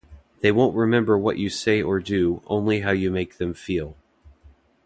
They won't remember what you say or do, only how you make them feel.